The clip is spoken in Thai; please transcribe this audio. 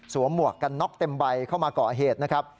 หมวกกันน็อกเต็มใบเข้ามาก่อเหตุนะครับ